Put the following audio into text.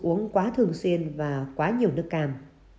uống quá thường xuyên và quá nhiều nước cam